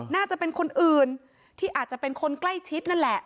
น่าจะเป็นคนอื่นที่อาจจะเป็นคนใกล้ชิดนั่นแหละ